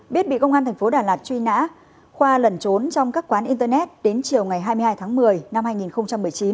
biết bị công an tp đà lạt truy nã khoa lẩn trốn trong các quán internet đến chiều ngày hai mươi hai tháng một mươi năm hai nghìn một mươi chín